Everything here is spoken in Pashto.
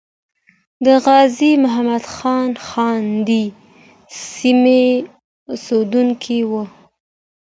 د غازی محمد جان خان ددې سیمې اسیدونکی وو.